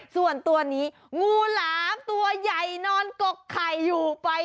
ส่วนตัวนี้งูหลามตัวใหญ่นอนกกไข่อยู่ไป